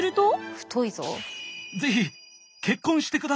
太いぞ。